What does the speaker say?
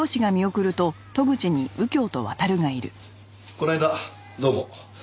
この間はどうも。